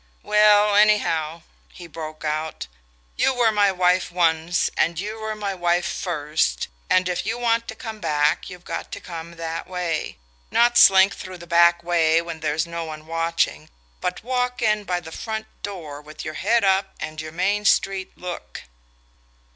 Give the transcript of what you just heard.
"Well, anyhow," he broke out, "you were my wife once, and you were my wife first and if you want to come back you've got to come that way: not slink through the back way when there's no one watching, but walk in by the front door, with your head up, and your Main Street look."